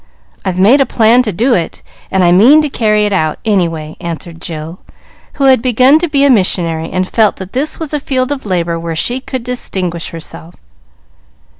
I've made a plan to do it, and I mean to carry it out, any way," answered Jill, who had begun to be a missionary, and felt that this was a field of labor where she could distinguish herself.